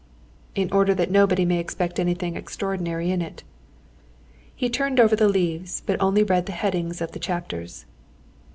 "In order that nobody may expect anything extraordinary in it." He turned over the leaves, but only read the headings of the chapters.